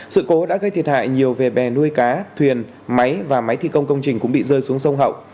sự cố đã gây thiệt hại nhiều về bè nuôi cá thuyền máy và máy thi công công trình cũng bị rơi xuống sông hậu